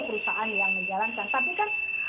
perusahaan yang menjalankan tapi kan